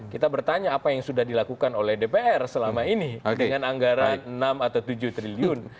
kita bertanya apa yang sudah dilakukan oleh dpr selama ini dengan anggaran enam atau tujuh triliun